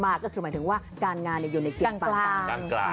อย่างแรกเลยก็คือการทำบุญเกี่ยวกับเรื่องของพวกการเงินโชคลาภ